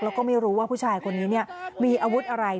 แล้วก็ไม่รู้ว่าผู้ชายคนนี้มีอาวุธอะไร